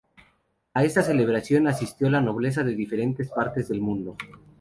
A esta celebración asistió la nobleza de diferentes partes del mundo.